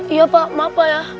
iya pak maaf ya pak